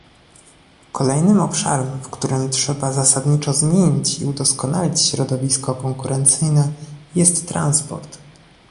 Kolejnym obszarem, w którym trzeba zasadniczo zmienić i udoskonalić środowisko konkurencyjne jest transport